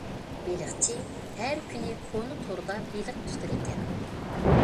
بېلىقچى ھەر كۈنى كونا توردا بېلىق تۇتىدىكەن.